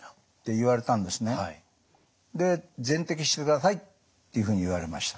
で全摘してくださいっていうふうに言われました。